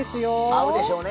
合うでしょうね。